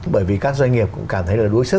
bởi vì các doanh nghiệp cũng cảm thấy là đuối sức